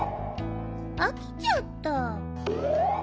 あきちゃった。